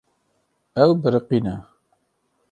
Ew biriqîne.